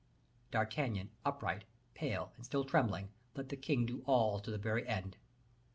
D'Artagnan, upright, pale, and still trembling, let the king do all to the very end.